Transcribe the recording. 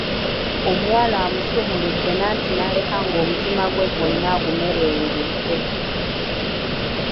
Omuwala amusumuludde natti n’aleka ng’omutima gwe gwonna agumerengudde!